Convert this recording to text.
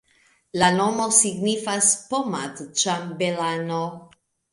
La nomo signifas poma-ĉambelano.